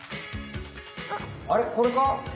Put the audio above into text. あれこれか？